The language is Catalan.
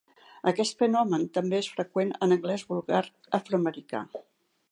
Aquest fenomen també és freqüent en anglès vulgar afroamericà.